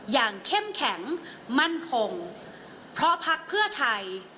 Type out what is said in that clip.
เข้มแข็งมั่นคงเพราะพักเพื่อไทย